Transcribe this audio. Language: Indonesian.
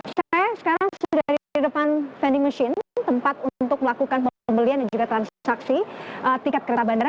saya sekarang sudah di depan vending machine tempat untuk melakukan pembelian dan juga transaksi tiket kereta bandara